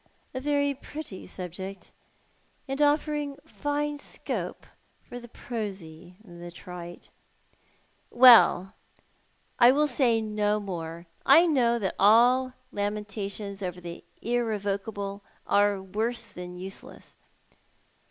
A very pretty subject, and offering fine scope for the prosy and the trite." "Well, I will say no more. I know that all lamentations over the irrevocable are w orso than useless.